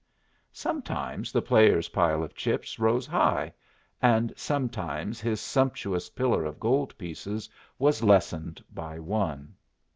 Sometimes the player's pile of chips rose high, and sometimes his sumptuous pillar of gold pieces was lessened by one.